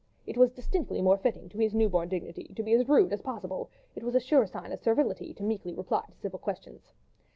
It was distinctly more fitting to his new born dignity to be as rude as possible; it was a sure sign of servility to meekly reply to civil questions.